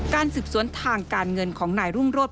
การสืบสวนทางการเงินของนายรุ่งโรธ